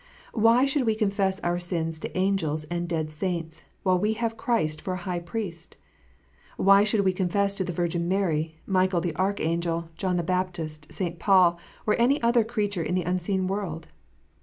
Why should we confess our sins to angels and dead saints, while we have Christ for a High Priest 1 Why should we confess to the Virgin Mary, Michael the Archangel, John the Baptist, St. Paul, or any other creature in the unseen world